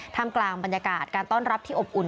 ทำกลางบรรยากาศการต้อนรับที่อบอุ่น